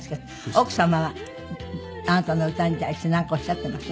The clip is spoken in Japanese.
奥様はあなたの歌に対してなんかおっしゃっています？